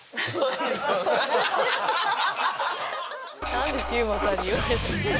何でシウマさんに言われて。